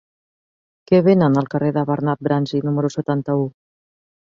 Què venen al carrer de Bernat Bransi número setanta-u?